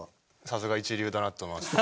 さすが一流だなと思いました。